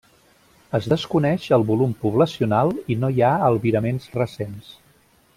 Es desconeix el volum poblacional i no hi ha albiraments recents.